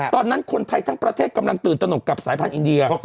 ตอนนั้นคนไทยทั้งประเทศกำลังตื่นตนกกับสายพันธุอินเดีย